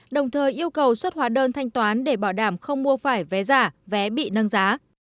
đồng thời yêu cầu xuất hóa đơn thanh toán để bảo đảm không mua phải vé giả vé bị nâng giá